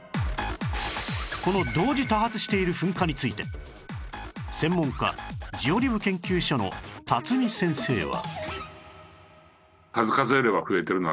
この同時多発している噴火について専門家ジオリブ研究所の巽先生は